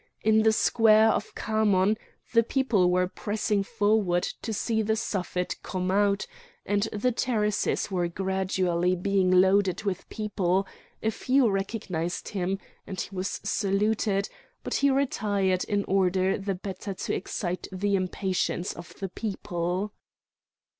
In the square of Khamon the people were pressing forwards to see the Suffet come out, and the terraces were gradually being loaded with people; a few recognised him, and he was saluted; but he retired in order the better to excite the impatience of the people.